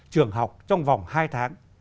trường học trong vòng hai tháng